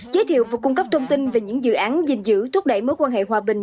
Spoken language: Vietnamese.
giới thiệu và cung cấp thông tin về những dự án gìn giữ thúc đẩy mối quan hệ hòa bình